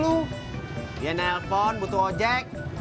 dia nelpon butuh ojek